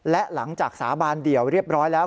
และหลังจากสาบานเดี่ยวเรียบร้อยแล้ว